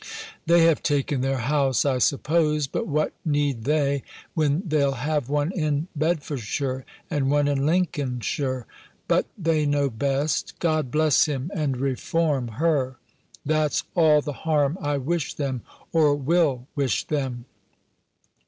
They have taken their house, I suppose: but what need they, when they'll have one in Bedfordshire, and one in Lincolnshire? But they know best. God bless him, and reform her! That's all the harm I wish them, or will wish them!